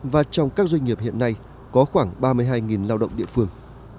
và trong các doanh nghiệp hiện nay có khoảng ba mươi hai lao động địa phương